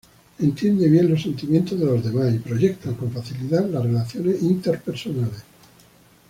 Entienden bien los sentimientos de los demás y proyectan con facilidad las relaciones interpersonales.